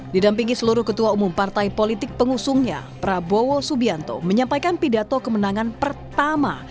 didampingi seluruh ketua umum partai politik pengusungnya prabowo subianto menyampaikan pidato kemenangan pertama